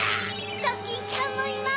ドキンちゃんもいます。